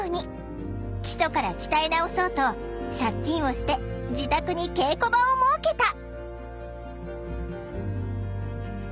基礎から鍛え直そうと借金をして自宅に稽古場を設けた！